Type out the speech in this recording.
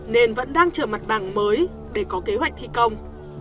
nên vẫn đang chờ mặt bằng mới để có kế hoạch thi công